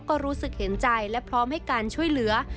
ก็รู้สึกเห็นใจและพร้อมให้การช่วยเหลือ